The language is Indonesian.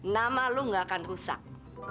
nama lu gak akan rusak